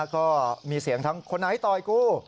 ก็มีเสียงทั้งคนไหนต่อยกู